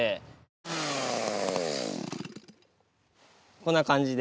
こんな感じで。